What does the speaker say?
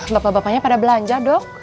bapak bapaknya pada belanja dok